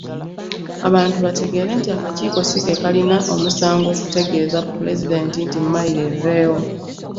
Abantu bategeere nti akakiiko si ke kalina omusango okutegeeza pulezidenti nti mayiro eveewo.